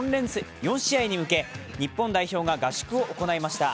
４試合に向け日本代表が合宿を行いました。